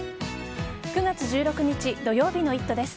９月１６日土曜日の「イット！」です。